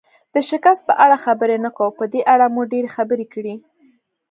د شکست په اړه خبرې نه کوو، په دې اړه مو ډېرې خبرې کړي.